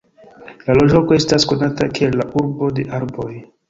La loĝloko estas konata kiel la "Urbo de Arboj".